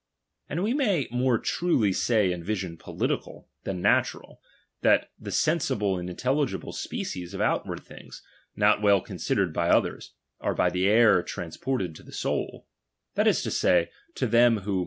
And we may more truly say in vision political, than natural, that the sensi ble and intelligible species of outward things, not well considered by others, are by the air trans ported to the soul ; that is to say, to them who tho 170 DOMINION. [.